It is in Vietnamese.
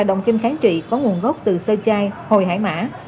động kinh kháng trị có nguồn gốc từ sơ chai hồi hải mã